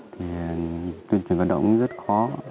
thì tuyên truyền vận động rất khó